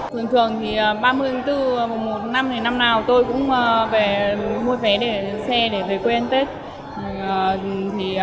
thường thường thì ba mươi tháng bốn mùng một tháng năm thì năm nào tôi cũng về mua vé để xe để về quê ăn tết